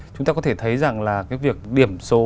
chúng ta có thể thấy rằng là cái việc điểm số